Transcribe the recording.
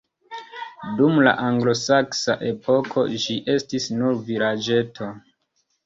Dum la anglosaksa epoko ĝi estis nur vilaĝeto.